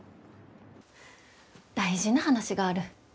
大事な話がある。